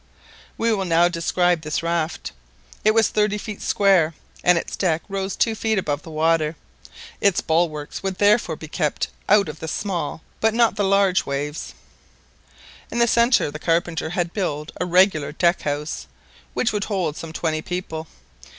We will now describe this raft. It was thirty feet square, and its deck rose two feet above the water. Its bulwarks would therefore keep out the small but not the large waves. In the centre the carpenter had built a regular deck house, which would hold some twenty people.